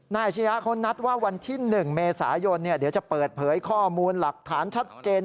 อาชียะเขานัดว่าวันที่๑เมษายนเดี๋ยวจะเปิดเผยข้อมูลหลักฐานชัดเจน